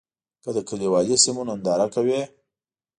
که د کلیوالي سیمو ننداره کوې.